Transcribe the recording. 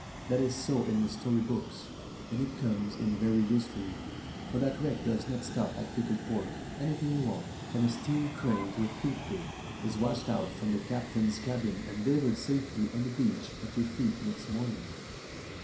That is so in the story books, and it comes in very usefully, for that wreck does not stop at pickled pork. Anything you want, from a steam crane to a toothpick, is washed out of the cap tain's cabin and delivered safely on the beach at your feet next morning."